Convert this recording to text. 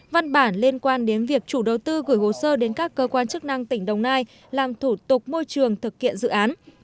văn bản liên quan đến việc chủ đầu tư gửi hồ sơ đến các cơ quan chức năng tỉnh đồng nai làm thủ tục môi trường thực hiện dự án